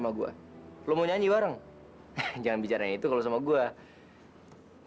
asalkan kamu bisa bahagia sama randi